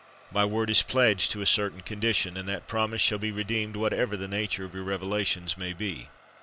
"My word is pledged to a certain condition; and that promise shall be redeemed, whatever the nature of your revelations may be."